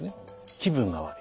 気分が悪い。